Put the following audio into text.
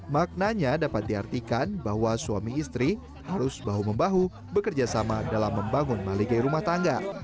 maknanya dapat diartikan bahwa suami istri harus bahu membahu bekerjasama dalam membangun maligai rumah tangga